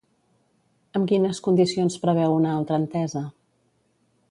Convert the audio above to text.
Amb quines condicions preveu una altra entesa?